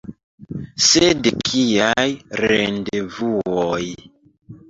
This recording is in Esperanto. Sed kiaj rendevuoj?!